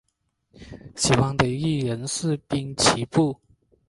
喜欢的艺人是滨崎步。